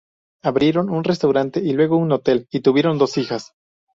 Abrieron un restaurante y luego un hotel y tuvieron dos hijas.